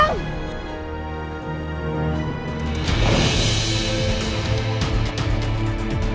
tak akan terwriting bok